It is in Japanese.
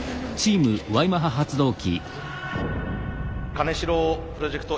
金城プロジェクト